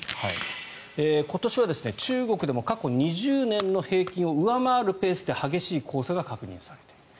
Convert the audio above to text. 今年は中国でも過去２０年の平均を上回るペースで激しい黄砂が確認されている。